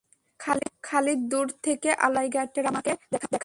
খালিদ দুর থেকে আলোচিত জায়গাটি ইকরামাকে দেখান।